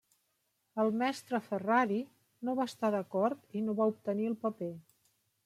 El mestre Ferrari no va estar d'acord i no va obtenir el paper.